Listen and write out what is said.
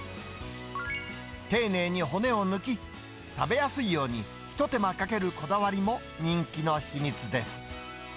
丁寧に骨を抜き、食べやすいように一手間かけるこだわりも人気の秘密です。